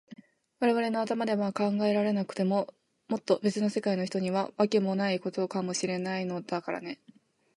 われわれの頭では考えられなくても、もっとべつの世界の人には、わけもないことかもしれないのだからね。